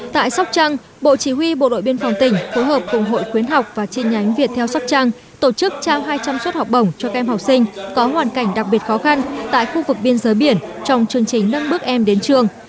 tại sóc trăng bộ chỉ huy bộ đội biên phòng tỉnh phối hợp cùng hội khuyến học và chi nhánh việt theo sóc trăng tổ chức trao hai trăm linh suất học bổng cho các em học sinh có hoàn cảnh đặc biệt khó khăn tại khu vực biên giới biển trong chương trình nâng bước em đến trường